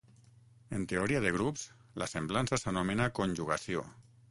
En teoria de grups, la semblança s'anomena conjugació.